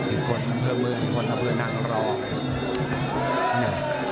อีกคนเพื่อเมืองอีกคนเพื่อนางรอง